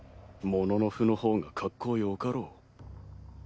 もののふの方がかっこよかろう。